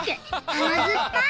あまずっぱい！